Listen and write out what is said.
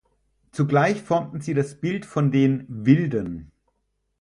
Zugleich formten sie das Bild von den „Wilden“.